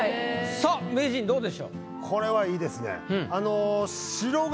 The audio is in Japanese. さあ名人どうでしょう？